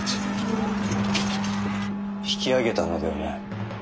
引き揚げたのではない。